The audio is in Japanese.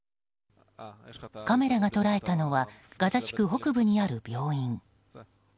カメラが捉えたのはガザ地区北部にある病院。